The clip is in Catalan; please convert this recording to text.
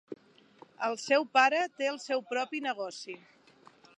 El seu pare té el seu propi negoci.